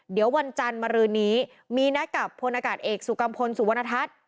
เดี๋ยววันจันทร์มารืนนี้มีนัดกับพลอากาศเอกสุกัมพลสุวรรณทัศน์